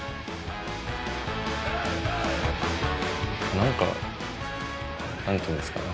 何か何て言うんですかね。